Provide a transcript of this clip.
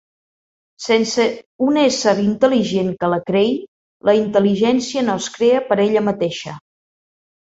Sense un ésser intel·ligent que la creï, la intel·ligència no es crea per ella mateixa.